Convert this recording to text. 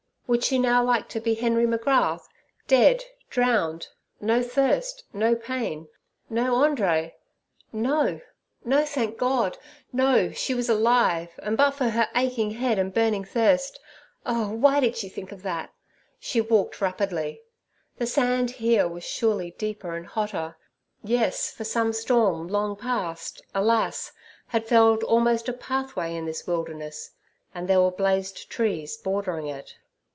Would she now like to be Henry McGrath, dead, drowned; no thirst, no pain—no Andree? No, no; thank God! no: she was alive, and but for her aching head and burning thirst—Oh, why did she think of that?—she walked rapidly. The sand here was surely deeper and hotter. Yes, for some storm long past, alas! had felled almost a pathway in this wilderness, and there were blazed trees bordering it.